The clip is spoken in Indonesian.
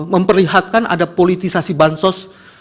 memperlihatkan ada politisasi ban sos